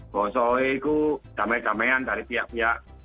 bosoiku damai damaian dari pihak pihak